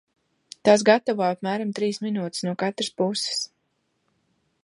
Tās gatavo apmēram trīs minūtes no katras puses.